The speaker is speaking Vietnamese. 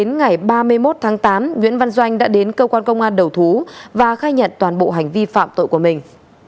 nguyễn văn doanh đã đến cơ quan công an đầu thú và khai nhận toàn bộ hành vi phạm tội của mình